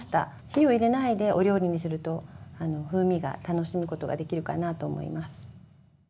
火を入れないでお料理にすると風味が楽しむことができるかなと思います。